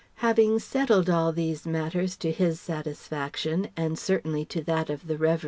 Having settled all these matters to his satisfaction, and certainly to that of the Revd.